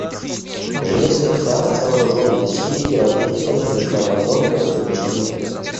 Женевская декларация о вооруженном насилии и развитии также дает нам возможность для продвижения вперед.